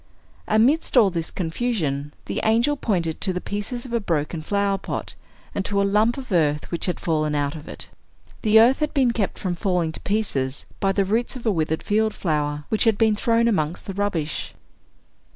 Amidst all this confusion, the angel pointed to the pieces of a broken flower pot, and to a lump of earth which had fallen out of it. The earth had been kept from falling to pieces by the roots of a withered field flower, which had been thrown amongst the rubbish.